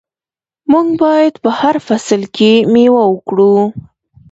موږ باید په هر فصل کې میوه وکرو.